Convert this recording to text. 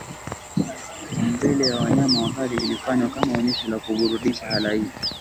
mbele ya wanyama wakali ilifanywa kama onyesho la kuburudisha halaiki